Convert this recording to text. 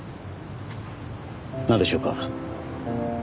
なんでしょうか？